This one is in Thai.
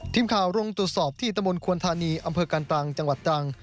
ทีมข่าวลงตรวจสอบที่ตะมนตวนธานีอำเภอกันตังจังหวัดตรัง